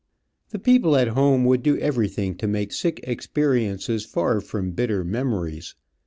The people at home would do everything to make sick experiences far from bitter memories.